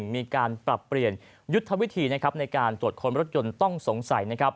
มีการปรับเปลี่ยนยุทธวิธีในการตรวจคนบริธนโต้งสงสัย